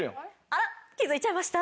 あらっ気づいちゃいました？